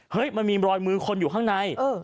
เฮ้ยมันมีรอยมือคนอยู่ข้างในเออ